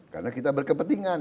karena kita berkepentingan